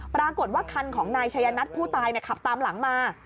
ปรากฏว่าคันของนายชายนัทผู้ตายขับตามหลังมา